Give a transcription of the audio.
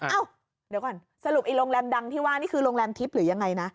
เอ้าเดี๋ยวก่อนสรุปไอโรงแรมดังที่ว่านี่คือโรงแรมทิพย์หรือยังไงนะ